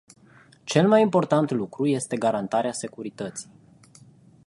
Cel mai important lucru este garantarea securității.